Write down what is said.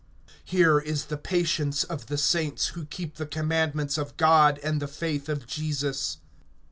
(12)Here is the patience of the saints, who keep the commandments of God, and the faith of Jesus.